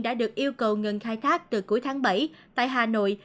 đã được yêu cầu ngừng khai thác từ cuối tháng bảy tại hà nội